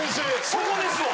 そこですわ。